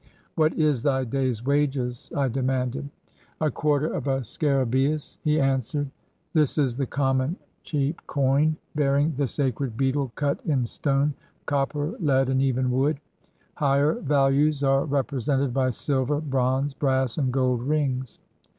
"What is thy day's wages?" I demanded. "A quarter of a scarabceus," he answered. This is the common cheap coin, bearing the sacred beetle cut in stone, copper, lead, and even wood. Higher values are 133 EGYPT represented by silver, bronze, brass, and gold rings.